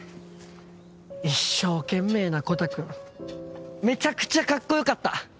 一生懸命なコタくんめちゃくちゃカッコ良かった。